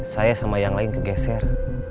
saya sama yang lain kegeser